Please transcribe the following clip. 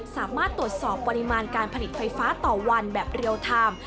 สามารถตรวจสอบปริมาณการผลิตไฟฟ้าต่อวันแบบเรียลไทม์